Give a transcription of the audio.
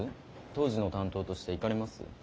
当時の担当として行かれます？